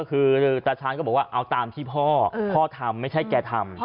คือตาชาญก็บอกว่าเอาตามที่พ่อพ่อทำไม่ใช่แกทำ